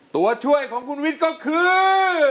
ตัวช่วยของคุณวิทย์ก็คือ